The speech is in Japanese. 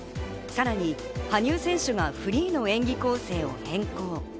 さらに羽生選手がフリーの演技構成を変更。